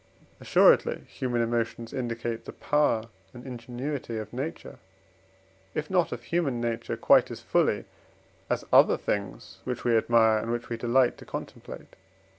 Assuredly human emotions indicate the power and ingenuity, of nature, if not of human nature, quite as fully as other things which we admire, and which we delight to contemplate.